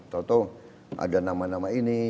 tau tau ada nama nama ini